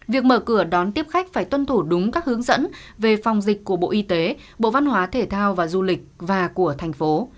việc mở cửa đón tiếp khách phải tuân thủ đúng các hướng dẫn về phòng dịch của bộ y tế bộ văn hóa thể thao và du lịch và của thành phố